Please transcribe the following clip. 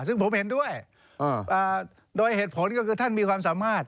ซึ่งผมเห็นด้วยโดยเหตุผลก็คือท่านมีความสามารถ